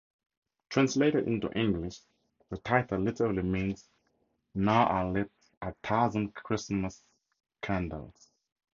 Translated into English, the title literally means "Now are lit a thousand Christmas candles".